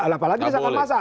apalagi desakan masa